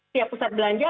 siap pusat belanja